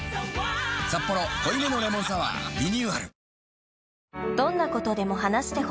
「サッポロ濃いめのレモンサワー」リニューアル